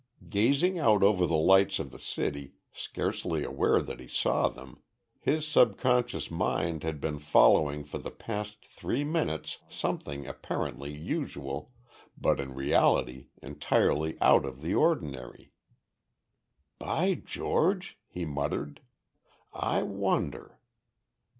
Gazing out over the lights of the city, scarcely aware that he saw them, his subconscious mind had been following for the past three minutes something apparently usual, but in reality entirely out of the ordinary. "By George!" he muttered, "I wonder...."